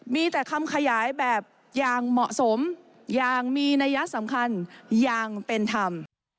มีแต่คำขยายแบบอย่างเหมาะสมอย่างมีนัยสำคัญอย่างเป็นธรรม